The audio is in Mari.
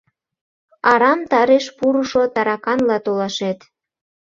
Арам тареш пурышо тараканла толашет.